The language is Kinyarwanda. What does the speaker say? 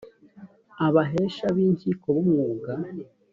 abahesha b inkiko b umwuga